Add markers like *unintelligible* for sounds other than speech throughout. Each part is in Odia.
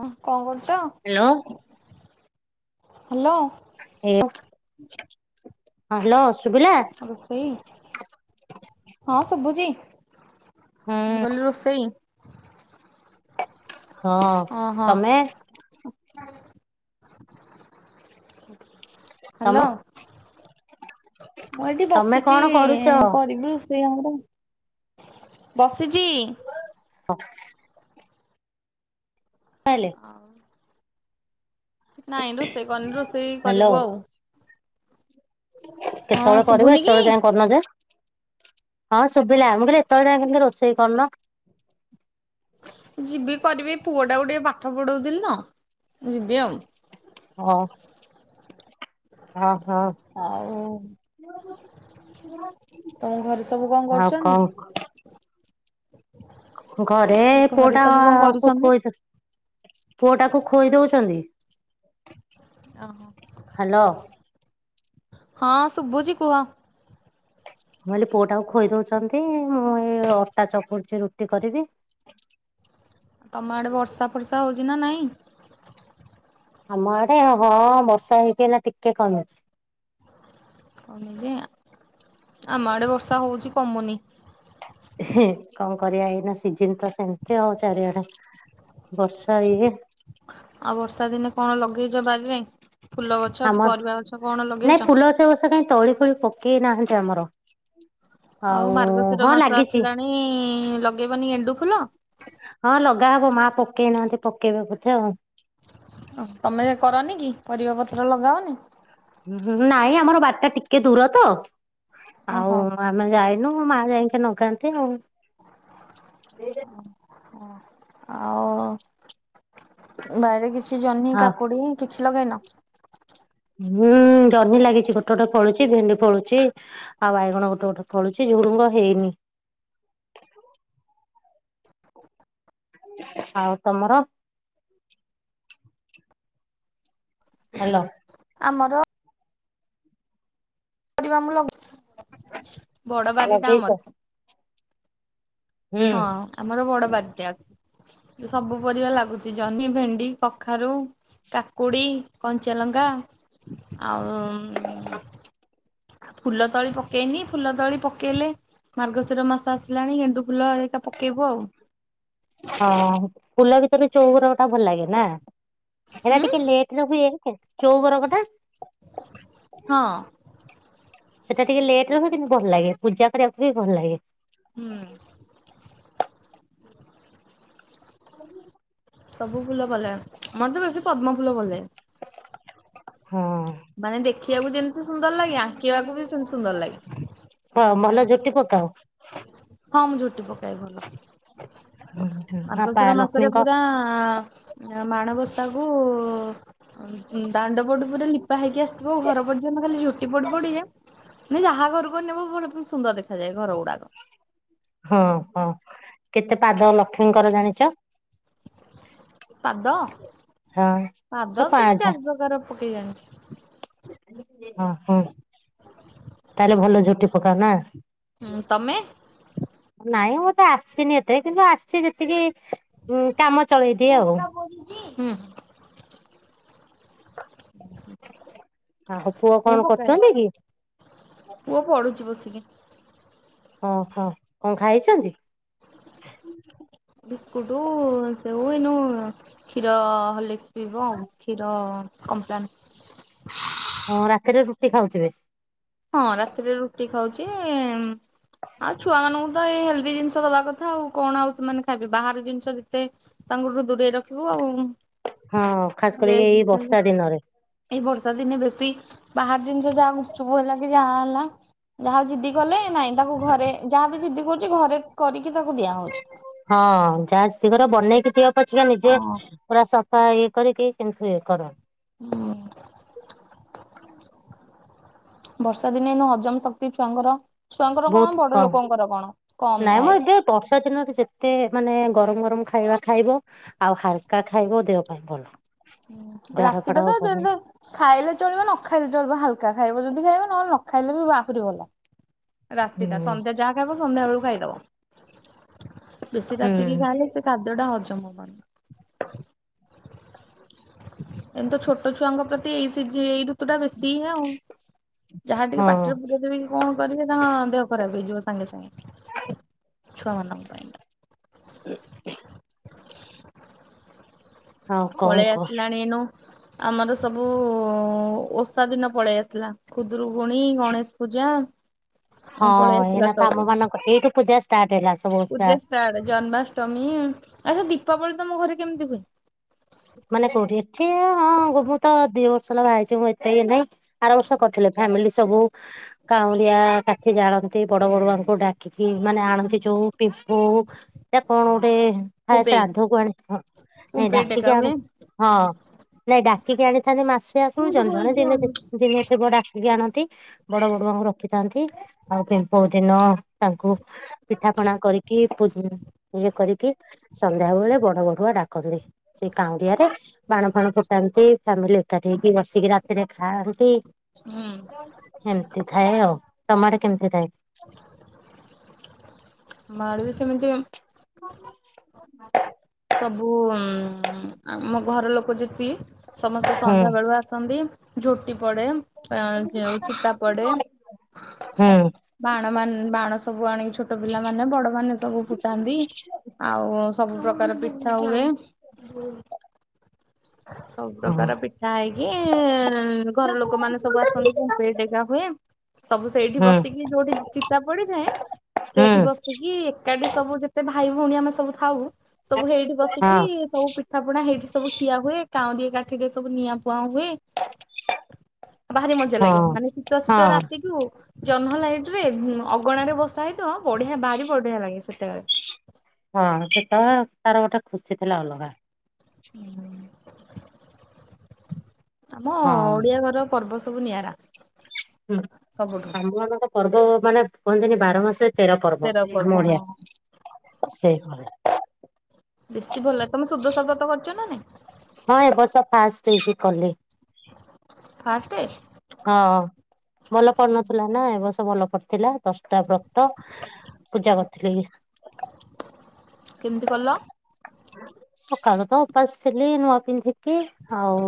ହଁ କଁ କରୁଚ? ହାଲୋ। ହାଲୋ। ହେ ହଁ ହାଲୋ ସୁବିଲା? ରୋଷେଇ ହଁ ଶୁଭୁଛି ହୁଁ ମୁଁ କହିଲି ରୋଷେଇ। ହଁ ଓହୋ ତମେ? ତମ। ହ୍ୟାଲୋ ମୁଁ ଏଇଠି ତମେ ବସିଛି କଣ କରୁଛ କରିବୁ ସ୍ ସେଇ ଆମର ବସିଚି। ଓ ଆଲେ ଆଉ? ନାଇଁ ରୋଷେଇ କରିନି ରୋଷେଇ କରିବୁ ଆଉ। ହଁ କେତେବେଳ କରିବ ଶୁଭୁନି କି? ଏତବେଳ ଯାଇ କରିନ ଯେ? ହଁ ଶୁବିଲା ମୁଁ କହିଲି ଏତେବେଳେ ଯାଏ କେମ୍ ତି ରୋଷେଇ କରିନ? ଯିବି କରିବି ପୁଅ ଟାକୁ ଟିକେ ପାଠ ପଢ଼ଉଥିଲି ତ ଯିବି ଆଉ। ଅଁ ଅ ହଁ। ଆଉ ହଁ ତମ ଘରେ ସବୁ କଣ କରୁଛନ୍ତି? ଘରେ ପୁଅ ଘରେ ଟା ସବୁ କଣ କୁ କରୁଛନ୍ତି? ଖୋଇ ଦୋ ପୁଅ ଟାକୁ ଖୋଇ ଦଉଛନ୍ତି? ଅଁ ହ୍ୟାଲୋ ମୁଁ ହଁ ଶୁଭୁଛି କୁହ। ମୁଁ କହିଲି ପୁଅଟାକୁ ଖୋଇ ଦଉଛନ୍ତି ମୁଁ ଏଇ ଅଟା ଚକଡ଼ୁଛି ରୁଟି କରିବି। ତମ ଆଡ଼େ ବର୍ଷା ଫର୍ଷା ହଉଛି ନା ନାଇଁ? ଆମ ଆଡ଼େ ହଁ ବର୍ଷା ହେଇକି ଏଇନା ଟିକେ କମିଛି। କମିଜି ଆମ ଆଡ଼େ ବର୍ଷା ହୋଉଛି କମୁନି। କଣ କରିବା ଏଇନା ସିଜିନ୍ ତ ସେମ୍ ତି ଆଉ ଚାରିଆଡ଼େ ବର୍ଷ୍? ଆ ଇଏ। ଆଉ ବର୍ଷା ଦିନେ କଣ ଲଗେଇଚ ବାରିରେ? ଫୁଲ ଗଛ, ପରିବା ଗଛ କଣ ଲଗେଇଚ? ସ କାଇଁ ତଳି ଫଳି ପକେଇ ନାହାନ୍ତି ଆମର ଆଉ ହଁ ଲାଗିଚି। ଇଁ ଲଗେଇବନି ଗେଣ୍ଡୁ ଫୁଲ? ହଁ ଲଗା ହବ ମା ପକେଇ ନାହାନ୍ତି ପକେଇବେ ବୋଧେ ଆଉ। ଓ ହୋ ତମେ କରନି କି ପରିବା ପତ୍ର ଲଗାଅନି? ଉଁ ହୁଁ ହୁଁ ନାଇଁ ଆମର ବାରି ଟା ଟିକେ ଦୂର ତ ଆଉ ଓହୋ ଆମେ ଯାଇନୁ ମା ଯାଇକି ନଗାନ୍ତି ଆଉ। ଓ ଆଉ ବାଇରେ କିଛି ଜହ୍ନି ଆଉ କାକୁଡ଼ି କିଛି ଲଗେଇନ? ହୁଁ ଜହ୍ନି ଲାଗିଛି ଗୋଟେ ଗୋଟେ ପଳୁଛି ଭେଣ୍ଡି ଫଳୁଛି। ଆଉ ବାଇଗଣ ଗୋଟେ ଗୋଟେ ଫଳୁଛି ଝୁଡୁଙ୍ଗ ହେଇନି। ଆଉ ତମର? ହାଲୋ। ଆମକୁ କରିବା ମୁଁଳକୁ ବଡ ବାରିଟା ଲଗେଇଛ ଆମର। ହୁଁ ହଁ ଆମର ବଡ ବାରିଟେ ଅଛି। ସବୁ ପରିବା ଲାଗୁଛି ଜହ୍ନି, ଭେଣ୍ଡି, କଖାରୁ,। କାକୁଡି, କଞ୍ଚାଲଙ୍କା ଆଉ *unintelligible* ଫୁଲ ତଳି ପକେଇନି ଫୁଲ ତଳି ପକେଇଲେ ମାର୍ଗଶୀର ମାସ ଆସିଲାଣି ଗେଣ୍ଡୁଫୁଲ। ଫୁଲ ହେିକା ପକେଇବୁ ଆଉ। ହଁ ଫୁଲ ଭିତରୁ ଚଉବରଙ୍ଗ ଟା ଭଲ ଲାଗେ ନା ଜେରା ହୁଁ ଟିକେ ଲେଟେରେ ହୁଏ। ଚଉବରଙ୍ଗଟା। ହଁ। ସେଟା ଟିକେ ଲେଟର ହୁଏ କିନ୍ତୁ ଭଲ ଲାଗେ ପୂଜା କରିବାକୁ ବି ଭଲ ଲାଗେ। ହୁଁ। ଖାଇବି। ସବୁ ଫୁଲ ଭଲଲାଗେ ମୋତେ ବେଶୀ ପଦ୍ମ ଫୁଲ ଲାଗେ। ହୁଁ ହୁଁ। ମାନେ ଦେଖିବାକୁ ଯେମିତି ସୁନ୍ଦର ଲାଗେ ଆଙ୍କିବାକୁ ବି ସେମିତି ସୁନ୍ଦର ଲାଗେ। ହଁ ଭଲ ଝୋଟି ପକାଅ? ହଁ ମୁଁ ଝୁଟି ପକାଏ ଭଲ। ହଁ ପା ମାର୍ଗଶିର ମାସରେ ଲକ୍ଷ୍ମୀଙ୍କ ପୁରା ମାଣବସାକୁ ଦାଣ୍ଡ ପଟୁ ପୁରା ଲିପା ହେଇକି ଆସିଥିବ ଘର ପର୍ଯ୍ୟନ୍ତ ଖାଲି ଝୁଟି ପଡି ପଡିକା। ଜହା ଘରକୁ ଅନେବ ଭଲମ ସୁନ୍ଦର ଦେଖାଯାଏ ଘର ଗୁଡାକ। ହଁ ହଁ କେତେ ପାଦ ଲକ୍ଷ୍ମୀଙ୍କର ଜାଣିଛ? ପାଦ ହଁ। ତ ପାଦ ତିନି ପାଁଝା ଚାରି ପ୍ରକାର ପକେଇ ଜାଣିଛି। ହୁଁ ହୁଁ ତାହେଲେ ଭଲ ଝୁଟି ପକାଅ ନା? ହୁଁ ତମେ? ନାଇଁ ମତେ ଆସିନି ଏତେ କିନ୍ତୁ ଆସି ସେ ଯେତିକି ହୁଁ କାମ ଚଳେଇଦିଏ ଆଉ। ଜି ହୁଁ। ଆଉ ପୁଅ ମୁଁ କଣ ପକାଏ କରୁଛନ୍ତି କି? ପୁଅ ପଢୁଛି ବସିକି। ଓହୋ କଣ ଖାଇଚ? ହ ବିସ୍କୁଟୁ ସେଉ ଏଇନୁ କ୍ଷୀର ହଲିକ୍ସି ପିଇବ ଆଉ କ୍ଷୀର କପ୍ଲନ ହଁ ରାତିରେ ରୁଟି ଖାଉଥିବେ? ହଁ ରାତିରେ ରୁଟି ଖାଉଛି ଆଉ ଛୁଆ ମାନଙ୍କୁ ତ ଏ ହେଲେଦି ଜିଷ ଦବା କଥା ଆଉ କଣ ଆଉ ସେମାନେ ଖାଇବେ ବାହାର ଜିନିଷ ଯେତେ ତାଙ୍କଠୁ ଦୂରେଇ ରଖିବୁ ଆଉ। ହଁ ଖାସ କରିକି ଏଇ ଲେଜ ବର୍ଷା ଦିନ। ଏଇ ବର୍ଷା ଦିନେ ବେଶୀ ବାହାର ଜିନିଷ ଯାହା ଗୁପ୍ ଚୁପ୍ ହେଲା କି ଯାହା ହେଲା। ଯାହା ଜିଦି କଲେ ନାଇଁ ତାକୁ ଘରେ ଯାହାବି ଜିଦ୍ଦି କରୁଛି ଘରେ କରିକି ତାକୁ ଦିଆହଉଛି। ହଁ ଯାହା ଜିଦି କରିବ ବନେଇକି ଦିଅ ପଛିିକା ନିଜେ ହଁ। ପୁରା ସଫା ଇଏ କରିକି କିନ୍ତୁ ଇଏ କର। ହୁଁ। ବର୍ଷା ଦିନେନୁ ହଜମ ଶକ୍ତି ଛୁଆଙ୍କର ଛୁଆଙ୍କର କଣ ବହୁତ ବଡ କମ ଲୋକଙ୍କର କଣ କମ ନାଇଁ ମ ଥାଏ। ଏବେ ବର୍ଷା ଦିନରେ ଯେତେ ମାନେ ଗରମ ଗରମ ଖାଇବା ଖାଇବ ଆଉ ହାଲକା ଖାଇବ ଦେହ ପାଇଁ ଭଲ। ହୁଁ ଝାଡା ଫାଡା ରାତିଟା ତ ହବନି *unintelligible* ଖାଇଲେ ଚଳିବ ନ ଖାଇଲେ ଚଳିବ ହାଲକା ଖାଇବ ଯଦି ଖାଇବ ନହେଲେ ନ ଖାଇଲେ ବି ଆହୁରି ଭଲ। ରାତିଟା ହୁଁ ସନ୍ଧ୍ୟା ଯାହା ଖାଇବ ସନ୍ଧ୍ୟାବେଳକୁ ଖାଇଦବ। ବେଶୀ ରାତିକି ହୁଁ ଖାଇଲେ ସେ ଖାଦ୍ୟଟା ହଜମ ହବନି। ଏମିତି ତ ଛୋଟ ଛୁଆଙ୍କ ପ୍ରତି ଏଇ ସିଜି ଏଇଠୁ ତୁ ଟା ବେଶୀ ଇଏ ଆଉ ଯାହା ଟିକେ ହଁ ପାଟିରେ ପୁରାଇଦେବି କଣ କରିବେ ତାଙ୍କ ଦେହ ଖରାପ ହେଇଯିବ ସାଙ୍ଗେ ସାଙ୍ଗେ ଛୁଆମାନଙ୍କ ପାଇଁ ଆଉ କଣ ପଳେଇ କହ ଆସିଲାଣି ଏଇନୁ ଆମର ସବୁ ଓଷା ଦିନ ପଳେଇ ଆସିଲା ଖୁଦରୁକୁୁଣୀ ଗଣେସ ପୂଜା ଆଉ ହଁ ପଳେଇ ଆସିଲା ଏଇନା ତ ସବୁ ଆମମାନଙ୍କ ଏଇଠୁ ପୂଜା ଷ୍ଟାର୍ଟ ହେଲା ସ ପୂଜା ଷ୍ଟାର୍ଟ ଜନ୍ମାଷ୍ଟମୀ ଆଚ୍ଛା ଦୀପାବଳି ତମ ଘରେ କେମିତି ହୁଏ? ମାନେ କୋଉଠି ଏଠି ହଁ ମୁଁ ମୁଁ ତ ଦି ବର୍ଷ ହେଲା ବାହା ହେଇଛି ମୁଁ ଏତେ ଇଏ ନାଇଁ ଆରବର୍ଷ କରିଥିଲେ ଫ୍ୟାମିଲି ସବୁ କାଉଁଲିଆ କାଠି ଜାଳନ୍ତି ବଡ ବଡୁଆଙ୍କୁ ଡାକ ଖିକି ମାନେ ଆଣନ୍ତି ଯୋଉ ପିମ୍ପୁଉ ଏ କଣ ଗୋଟେ ନାଇଁ କୁମ୍ପେଇ ଶ୍ରାଦ୍ଧକୁ ଆଣେ ହଁ ନାଇଁ କୁମ୍ପେଇ ଟେକା ଡାକିକି ହୁଏ। ଆଣେ ହଁ ନାଇଁ ଡାକିକି ଆଣିଥାନ୍ତି ମାସେ ମୁଁ ଆଗୁରୁ ତ ଜଣେ ଜଣେ କହିକି ଦିନେ ଦି ଆଣୁଛି। ଦିନେ ଥିବ ଡାକିକି ଆଣନ୍ତି। ବଡ ବଡଆଙ୍କୁ ରଖିଥାନ୍ତି ଆଉ ପିମ୍ପୋଉ ଦିନ ତାଙ୍କୁ ପିଠା ପଣା କରିକି ପୂ ଇଏ କରିକି ସନ୍ଧ୍ୟାବେଳେ ବଡ ବଡୁଆ ଡାକନ୍ତି। ସେ କାଉଁନ୍ଦିଆରେ ବାଣ ଫାଣ ଫୁଟାନ୍ତି ଫ୍ୟାମିଲି ଏକାଠି ହେଇକି ବସିକି ରାତିରେ ଖାଆନ୍ତି। ହୁଁ ହେମତି ଥାଏ ଆଉ ତମ ଆଡ଼େ କେମିତି ଥାଏ? ଆମଆଡେ ବି ସେମିତି ହ ସବୁ ଉଁ ଆମ ଘର ଲୋକ ଯେତିକି ସମସ୍ତେ ହୁଁ ସନ୍ଧ୍ୟା ବେଳୁ ଆସ ଛନ୍ତି ଝୋଟି ପଡେ ଆ ଯେଉ ଚିତା ପଡେ ହୁଁ ବାଣମାନ ବାଣ ସବୁ ଆଣିକି ଛୋଟ ପିଲାମାନେ ବଡମାନେ ସବୁ ଫୁଟାନ୍ତି ଆଉ ସବୁ ପ୍ରକାର ପିଠା ହୁଏ। ସବୁ ହୁଁ ପ୍ରକାର ପି ଯାଇକି ଘର ଲୋକମାନେ ସବୁ ଆସନ୍ତି ପୁମ୍ପେଇ ଟେକା ହୁଏ। ସବୁ ସେଇଠି ହୁଁ ବସିକି ଯୋଉଠି ଚି ଚିତା ପଡିଥାଏ ସେଇଠି ହଁ ବସିକି ଏକାଠି ସବୁ ଯେତେ ଭାଇ ଭଉଣୀ ଆମେ ସବୁ ଥାଉ ସବୁ ହେଇଠି ବସିକି ସବୁ ପିଠା ପଣା ହେଇଠି ସବୁ ଖିଆ ହୁଏ କାଉଁରିଆ କାଠିରେ ସବୁ ନିଆଁପୁଆଁ ହୁଏ। ଭାରି ମଜା ଲାଗେ ହଁ ମାନେ ଶୀତୁଆ ଶୀତୁଆ ହଁ ରାତିକୁୁ ଜହ୍ନ ଲାଇଟ୍ ରେ ଉଁ ଅଗଣାରେ ବସା ହେଇଥିବ ବଢିଆ ବାରି ବଢିଆ ଲାଗେ ସେତେବେଳେ। ହଁ ସେତେବେଳେ ତାର ଗୋଟେ ଖୁସି ଥିଲା ଅଲଗା। ହୁଁ। ଆମ ହଁ ଓଡିଆ ଘର ପର୍ବ ସବୁ ନିଆରା। ହୁଁ ସବୁଠୁ ଆମମାନଙ୍କ ପର୍ବ ମାନେ କୁହନ୍ତିନି ବାର ମାସେ ତେର ପର୍ବ ଆମ ଓଡ଼ିଆ ସେଇଭଳି ବେଶୀ ଭଲ ଲାଗେ ତମେ ସୁଦଶା ବ୍ରତ କରିଛ ନା ନାଇଁ ହଁ ଏ ବର୍ଷ ଫାଷ୍ଟ ହେଇକି କଲି। ଫାଷ୍ଟେ ହଁ ଭଲ ପଢୁନଥିଲା ନା ଏ ବର୍ଷ ଭଲ ପଢୁଥିଲା ଦଶଟା ବ୍ର ତ ପୂଜା କରିଥିଲି। କେମିତି କଲ? ସକାଳୁ ତ ଉପାସ ଥିଲି ନୂଆ ପିନ୍ଧିକି ଆଉ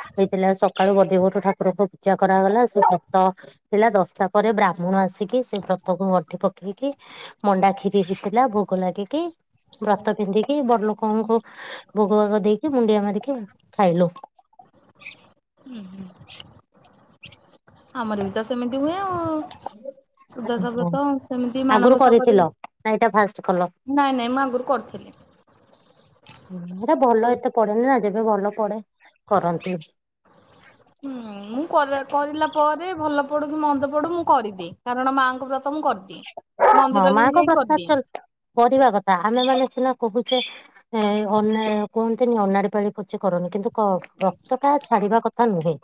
ହେଇଥିଲା, ସକାଳୁ ବଡ଼ି ଭୋରୁ ଠାକୁର- ପୂଜା କରାଗଲା। ସେ ଥିଲା, ଦଶଟା ପରେ ବ୍ରାହ୍ମୁଣ ଆସିକି। ସେ ବ୍ରତକୁ ଗଣ୍ଠି ପକେଇକି ମଣ୍ଡା, କ୍ଷୀରୀ ହେଇଥିଲା, ଭୋଗ ଲାଗିକି ବ୍ରତ ପିନ୍ଧିକି ବଡ୍‌ ଲୋକଙ୍କୁ ଭୋଗ ଦେଇକି, ମୁଣ୍ଡିଆ ମାରିକି ଖାଇଲୁ। *inaudible* ଆମର୍ ବି ତ ସେମିନ୍ତି ହୁଏ ଆଉ। ସୁଦଶା ବ୍ରତ ସେମିତି ଆଗୁରୁ ମାଣବସା କରିବେ। କରିଥିଲ, ନା ଏଇଟା ଫାଷ୍ଟ୍ କଲ? ନାଇଁ ନାଇଁ, ମୁଁ ଆଗୁରୁ କରିଥିଲି। ଏଟା ଭଲ ଏତେ ପଡ଼େନି ନା, ଯେବେ ଭଲ ପଡ଼େ କରନ୍ତି। ହୁଁ---ମୁଁ କ-ଲା, କରିଲା ପରେ ଭଲ ପଡୁ କି ମନ୍ଦ ପଡୁ ମୁଁ କରିଦିଏ, କାରଣ ମାଆଙ୍କ ବ୍ରତ ମୁଁ ହଁ! ମନ୍ଦିରରେ ବି ମାଆଙ୍କ ଯାଇ ବ୍ରତ କରିଦିଏ। କରିବା କଥା। ଆମେ ମାନେ ସିନା କ *inaudible* କ, ବ୍ରତଟା ଛାଡିବା କଥା ନୁହେଁ।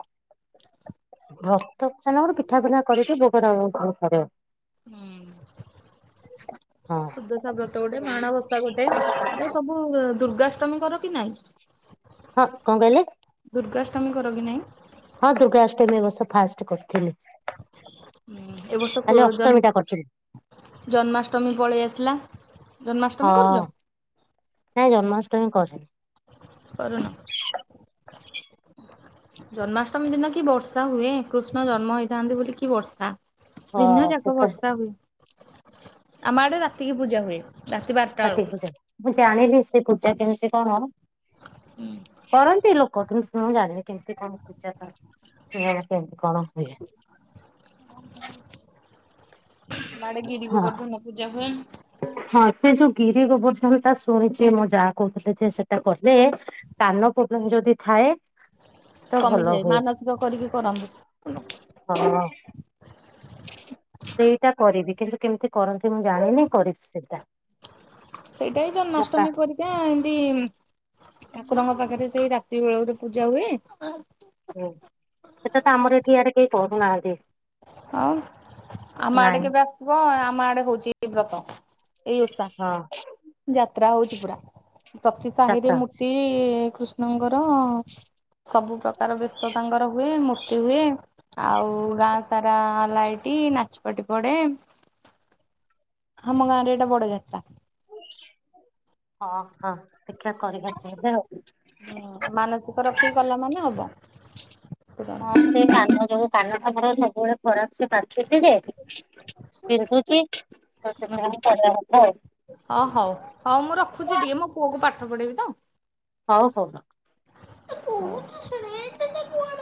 ର *inaudible* ହୁଁ, ସୁୁଦଶା ବ୍ରତ ଗୋଟେ ମାଣବସା ଗୋଟେ ଏଇଟା ସବୁ ଦୁର୍ଗାଷ୍ଟମୀ କର କି ନାଇଁ? କ'ଣ କଇଲେ? ଦୁର୍ଗାଷ୍ଟମୀ କର କି ନାଇଁ? ହଁ! ଦୁର୍ଗା ଅଷ୍ଟମୀ, ଏ ବର୍ଷ ଫାଷ୍ଟ୍ କର୍ଥିଲି। ଏ ବର୍ଷ ଜନ୍‌ ଅଷ୍ଟମୀ ଟା କରିଥିଲି ଜନ୍ମାଷ୍ଟମୀ ପଳେଇ ଆସ୍‌ଲା। ହଁ! ନାଇଁ ଜନ୍ମାଷ୍ଟମୀ କରେନି। *inaudible* ଜନ୍ମାଷ୍ଟମୀ ଦିନ କି ବର୍ଷା ହୁଏ। କୃଷ୍ଣ ଜନ୍ମ ହେଇଥାନ୍ତି, ବୋଲି କି ବର୍ଷା। ହଁ ଦିନ ଯାକ ସେଟା ବର୍ଷା ହୁଏ। ଆମ ଆଡ଼େ ରାତିକି ପୂଜା ହୁଏ। ରାତି ବାର୍ଟା କାର୍ତ୍ତିକ ପୂଜା ମୁଁ, ଜାଣିନି ସେ ପୂଜା କେମ୍ତି କ'ଣ? *inaudible* କରନ୍ତି ଲୋକ, କିନ୍ତୁ ମୁଁ ଜାଣିନି କେମ୍ତି କଣ, ପୂଜା ତା'ର କେମିତି କ'ଣ ହୁଏ? ଆମ ଆଡ଼େ ଗିରି ହଁ। ଗୋବର୍ଦ୍ଧନ ପୂଜା ହୁଏ। ହଁ! ସେ ଯଉ ଗିରି ଗୋବର୍ଦ୍ଧନ ଟା ଶୁଣିଚି। ମୋ ଜା କହୁଥିଲେ, ଯେ ସେଟା କଲେ କାନ ପୋବ୍ଲେମ୍ ଯଦି ଥାଏ। ତ ଭଲ କମିଯାଏ, ହୁଏ ମାନସିକ କରିକି କରନ୍ତି। ହଁ! ସେଇଟା କରିବି, କିନ୍ତୁ କେମ୍ତି କରନ୍ତି? ମୁଁ ଜାଣିନି, କରିବ୍ ସେଟା। ସେଇଟା ଏଇ ଜନ୍ମାଷ୍ଟମୀ ପରି। ଏମ୍‌ତି ଠାକୁରଙ୍କ ପାଖରେ, ସେଇ ରାତି ବେ ଗୋଟେ ପୂଜା ହୁଏ। ସେଟା ତ ଆମର ଏଠି, ଇଆଡ଼େ କେହି କରୁ ନାହାନ୍ତି। ଆମ ଆଡେ କେବେ ଆସ୍‌ବ, ଆମ ଆଡ଼େ ହଉଚି ଏ ବ୍ରତ। ଏଇ ଓଷା, ହଁ ଯାତ୍ରା ହଉଚି ପୁରା। ପ୍ରତି ସାହିରେ ଯାତ୍ରା ଅଛି ମୂର୍ତ୍ତି କୃ -ଙ୍କର ସବୁ ପ୍ରକାର ବେଶ ତାଙ୍କ ର ହୁଏ। ର୍ତ୍ତି ହୁଏ, ଆଉ ଗାଁ ସାରା ଲାଇଟି ନାଚ୍ ପାଟି ପଡେ। ହାମ ଗାଁରେ ଏଟା ବଡ଼ ଯାତ୍ରା। *inaudible* ହୁଁ, ମାନସିକ ରଖିକି କର୍ଲା ମାନେ ହବ। ପୂରଣ ହଁ! ହବ। ସେ କାନ ଯୋଗୁ, କାନଟା ମର ସବୁବେଳେ ଖରାପ୍। ସେ ପାଚୁଚି ଯେ। ବିନ୍ଧୁଚି, ତ ସେଥିପାଇଁ କରିବା କଥା ଆଉ। ହଁ! ହଉ, ହଉ ମୁଁ ରଖୁଚି, ଟିକେ ମୋ ପୁଅକୁ ପାଠ ପଢ଼େଇବି ତ। *inaudible* କହୁଛି ଶୁଣେ ତତେ କୁଆଡେ